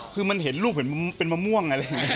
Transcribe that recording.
คือมันเห็นรูปเหมือนเป็นมะม่วง